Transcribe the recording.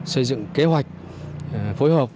xây dựng kế hoạch phối hợp